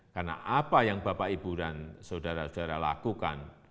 karena apa yang bapak ibu dan saudara saudara lakukan